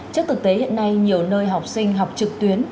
trước thực tế hiện nay nhiều nơi học sinh học trực tuyến